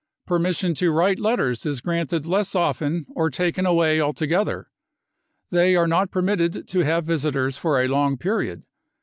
Permission to write letters is granted less often or taken away altogether. They are not permitted to have visitors for a long period.